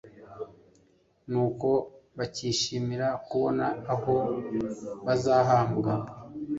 nuko bakishimira kubona aho bazahambwa